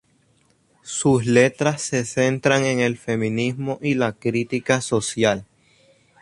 Sus letras se centran en el feminismo y la crítica social.